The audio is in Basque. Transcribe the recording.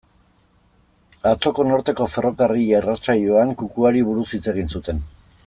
Atzoko Norteko Ferrokarrila irratsaioan, kukuari buruz hitz egin zuten.